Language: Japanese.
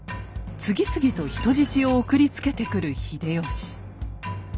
次々と人質を送りつけてくる秀吉。